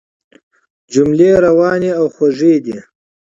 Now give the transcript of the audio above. جملې روانې او خوږې دي.